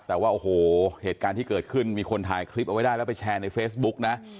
แต่ว่าโอ้โหเหตุการณ์ที่เกิดขึ้นมีคนถ่ายคลิปเอาไว้ได้แล้วไปแชร์ในเฟซบุ๊กนะ